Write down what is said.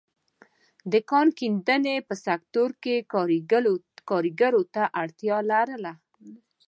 د کان کیندنې په سکتور کې کارګرو ته اړتیا لرله.